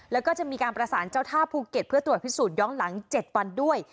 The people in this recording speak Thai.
แล้วก็จะมีการประสานเจ้าท่าภูเก็ตเพื่อตรวจพิสูจนย้อนหลัง๗วันด้วย